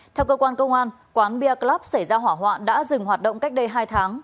theo cơ quan công an quán bia club xảy ra hỏa hoạn đã dừng hoạt động cách đây hai tháng